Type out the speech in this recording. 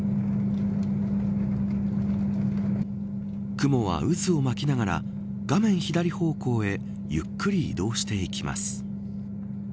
雲は渦を巻きながら画面左方向へゆっくり移動していきます。